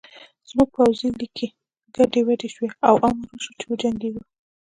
زموږ پوځي لیکې ګډې وډې شوې او امر وشو چې وجنګېږو